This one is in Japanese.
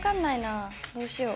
どうしよう。